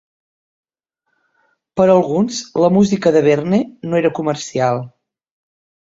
Per alguns, la música de Berne no era comercial.